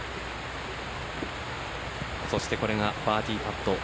そしてこれがバーディーパット。